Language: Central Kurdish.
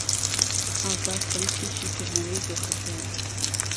ئازاد خەریکی شیکردنەوەی دۆخەکەیە.